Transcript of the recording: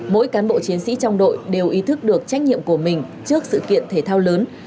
mỗi cán bộ chiến sĩ trong đội đều ý thức được trách nhiệm của mình trước sự kiện thể thao lớn